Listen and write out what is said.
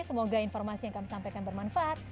semoga informasi yang kami sampaikan bermanfaat